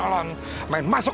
aku akan menyesal